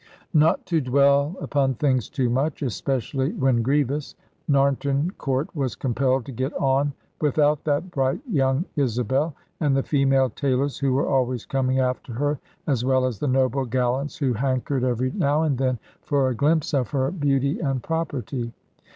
Not to dwell upon things too much especially when grievous Narnton Court was compelled to get on without that bright young Isabel, and the female tailors who were always coming after her, as well as the noble gallants who hankered, every now and then, for a glimpse of her beauty and property.